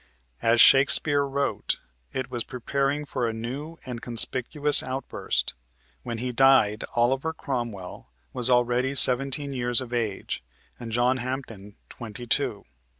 As Shakespeare wrote, it was preparing for a new and conspicuous outburst. When he died, Oliver Cromwell was already seventeen years of age and John Hampden twenty two.